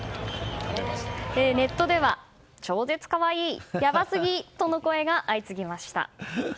ネットでは超絶可愛いやばすぎとの声が相次ぎました。